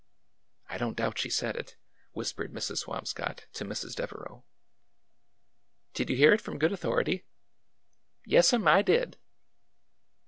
'' I don't doubt she said it," whispered Mrs. Swam scott to Mrs. Devereau. "Did you hear it from good authority?" " Yes 'm, I did